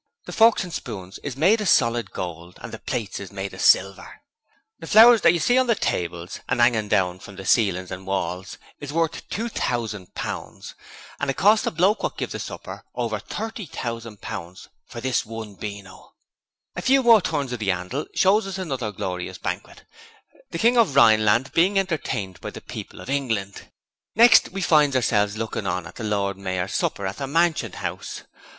The forks and spoons is made of solid gold and the plates is made of silver. The flowers that you see on the tables and 'angin' down from the ceilin' and on the walls is worth £2,000 and it cost the bloke wot give the supper over £30,000 for this one beano. A few more turns of the 'andle shows us another glorious banquet the King of Rhineland being entertained by the people of England. Next we finds ourselves looking on at the Lord Mayor's supper at the Mansion House.